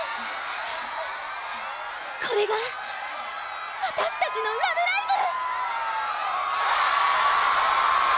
これが私たちの「ラブライブ！」！